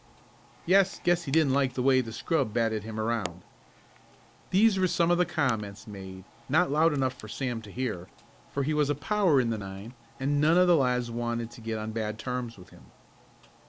"Yes, guess he didn't like the way the scrub batted him around." These were some of the comments made, not loud enough for Sam to hear, for he was a power in the nine, and none of the lads wanted to get on bad terms with him.